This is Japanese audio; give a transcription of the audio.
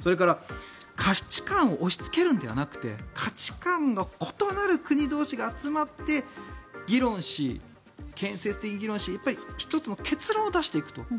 それから価値観を押しつけるのではなくて価値観が異なる国同士が集まって建設的に議論し１つの結論を出していくと。